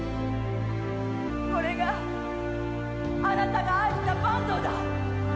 これがあなたが愛した坂東だ！